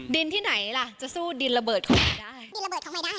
ดินที่ไหนล่ะจะสู้ดินระเบิดของใหม่ได้